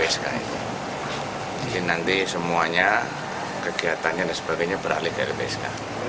jadi nanti semuanya kegiatannya dan sebagainya beralih ke lpsk